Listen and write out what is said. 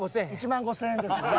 １万５、０００円ですね。